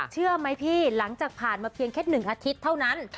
เชื่อไหมพี่หลังจากผ่านมาเพียงแค่๑อาทิตย์เท่านั้น